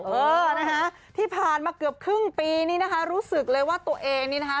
เออนะคะที่ผ่านมาเกือบครึ่งปีนี้นะคะรู้สึกเลยว่าตัวเองนี่นะคะ